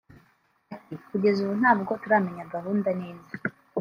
Ati “Kugeza ubu ntabwo turamenya gahunda neza